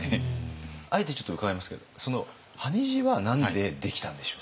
あえてちょっと伺いますけど羽地は何でできたんでしょう。